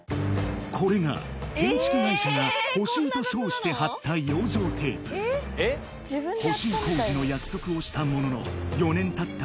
これが建築会社が補修と称して貼った養生テープ補修工事の約束をしたものの４年たった